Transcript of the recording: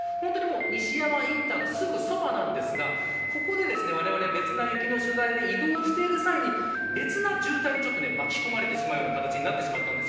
西山インターのすぐそばなんですがここでわれわれ、別な雪の取材で移動している際に別な渋滞に巻き込まれてしまうような形になってしまったんです。